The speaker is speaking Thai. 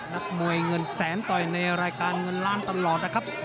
นักมวยเงินแสนต่อยในรายการเงินล้านตลอดนะครับ